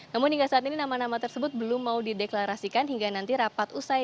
namun hingga saat ini nama nama tersebut belum mau dideklarasikan hingga nanti rapat usai